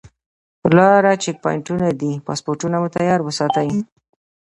پر لاره چیک پواینټونه دي پاسپورټونه مو تیار وساتئ.